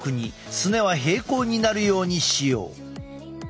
すねは平行になるようにしよう。